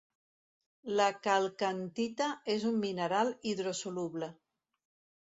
La calcantita és un mineral hidrosoluble.